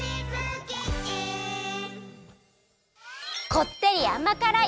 こってりあまからい